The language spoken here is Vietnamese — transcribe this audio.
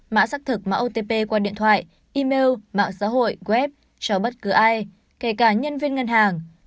mã xác thực mã otp qua điện thoại email mạng xã hội web cho bất cứ ai kể cả nhân viên ngân hàng